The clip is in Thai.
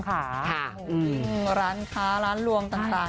จัดไปเลยคุณผู้ชม